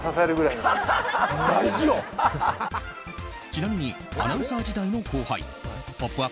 ちなみにアナウンサー時代の後輩「ポップＵＰ！」